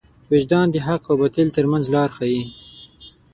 وجدان د حق او باطل تر منځ لار ښيي.